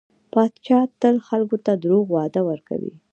پاچا تل خلکو ته دروغ وعده ورکوي .